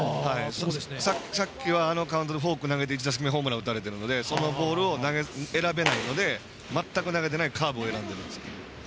さっきはあのカウントでフォークを投げて１打席目ホームラン打たれているので、そのボールを選べないので全く投げてないカーブを選んだんですよ。